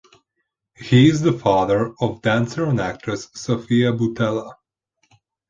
He is the father of dancer and actress Sofia Boutella.